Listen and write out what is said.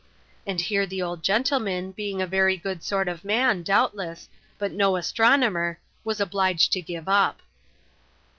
And here the old gentleman, being a very good sort of man, doubtless, but no astronomer, was obliged to give up.